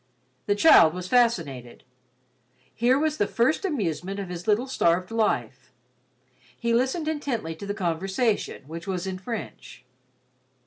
The child was fascinated. Here was the first amusement of his little starved life. He listened intently to the conversation, which was in French.